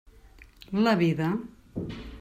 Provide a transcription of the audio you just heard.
La vida.